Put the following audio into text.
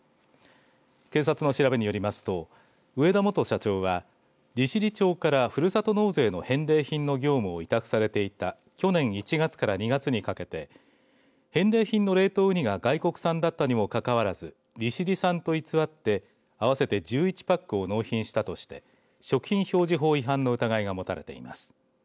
警察の調べによりますと上田元社長は利尻町からふるさと納税の返礼品の業務を委託されていた去年１月から２月にかけて返礼品の冷凍うにが外国産だったにもかかわらず利尻産と偽って合わせて１１パックを納品したとして食品表示法違反の疑いが持たれています。